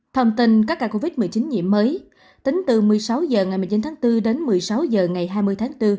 thông tin các ca covid một mươi chín nhiễm mới tính từ một mươi sáu h ngày một mươi chín tháng bốn đến một mươi sáu h ngày hai mươi tháng bốn